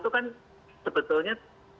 itu kan sebetulnya